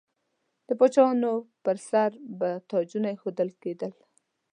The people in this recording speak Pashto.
د پاچاهانو پر سر به تاجونه ایښودل کیدل.